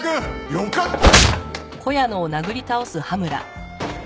よかった。